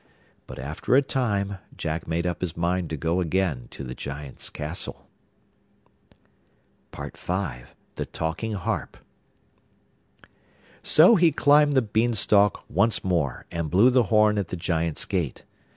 But after a time Jack made up his mind to go again to the Giant's castle. THE TALKING HARP. So he climbed the Beanstalk once more, and blew the horn at the Giant's gate.